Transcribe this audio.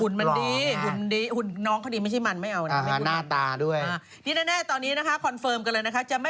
เนี้ยเป็นฝ่ายชายโลกสมัยทร์นี้เราต้องกลับกันแล้วค่ะ